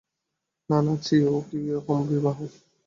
না না, ছিঃ ও কী রকম বিবাহ!